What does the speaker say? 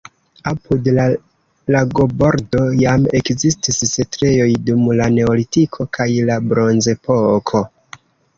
Apud la lagobordo jam ekzistis setlejoj dum la neolitiko kaj la bronzepoko.